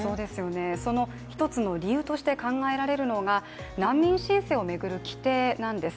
その一つの理由として考えられるのが難民申請を巡る規程なんです。